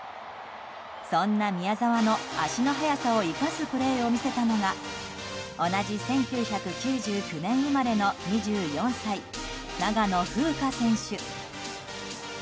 そんな宮澤の足の速さを生かすプレーを見せたのが同じ１９９９年生まれの２４歳長野風花選手。